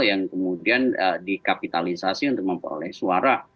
yang kemudian dikapitalisasi untuk memperoleh suara